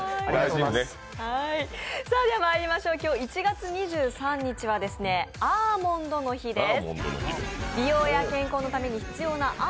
今日１月２３日はアーモンドの日です。